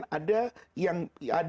jadi adalah yang menjadi